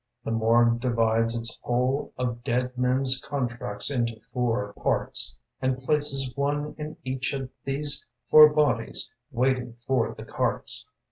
The morgue divides its whole Of dead mens' contacts into four Parts, and places one in each Of these four bodies waiting for the carts.